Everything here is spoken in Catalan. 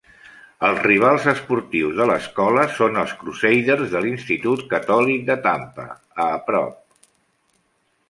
Els rivals esportius de l'escola són els Crusaders de l'Institut catòlic de Tampa, a prop.